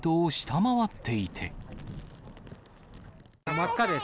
真っ赤です。